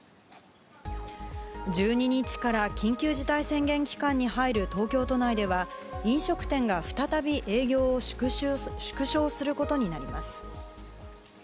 １２日から緊急事態宣言期間に入る東京都内では飲食店が再び営業を縮小することになります。